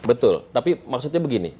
betul tapi maksudnya begini